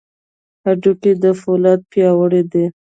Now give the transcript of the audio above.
هډوکي له فولادو پیاوړي دي.